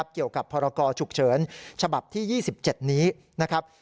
เกี่ยวกับพรกรฉุกเฉินฉบับที่๒๗นี้นะครับ